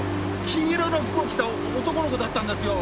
黄色の服を着た男の子だったんですよ。